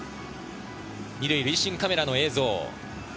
２塁塁審カメラの映像。